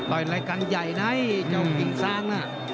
รายการใหญ่นะเจ้ากิ่งซางน่ะ